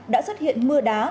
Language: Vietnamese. đã xuất hiện mưa đá